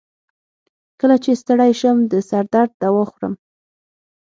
کله چې ستړی شم، د سر درد دوا خورم.